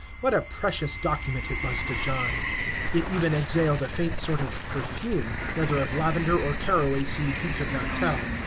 What a precious document it was to John! It even exhaled a faint sort of perfume, whether of lavender or caraway seed he could not tell.